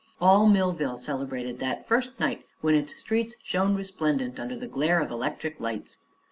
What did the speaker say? All Millville celebrated that first night when its streets shone resplendent under the glare of electric lights.